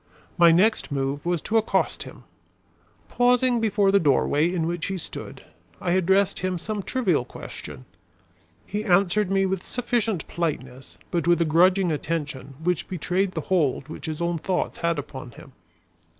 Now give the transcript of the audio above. My next move was to accost him. Pausing before the doorway in which he stood, I addressed him some trivial question. He answered me with sufficient politeness, but with a grudging attention which betrayed the hold which his own thoughts had upon him.